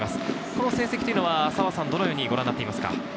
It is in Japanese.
この成績はどのようにご覧になっていますか？